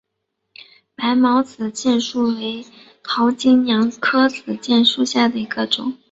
白毛子楝树为桃金娘科子楝树属下的一个种。